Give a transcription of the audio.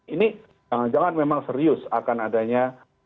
ini jangan jangan memang serius akan adanya